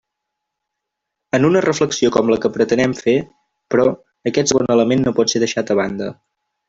En una reflexió com la que pretenem fer, però, aquest segon element no pot ser deixat a banda.